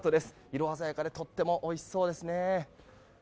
色鮮やかでとてもおいしそうですね。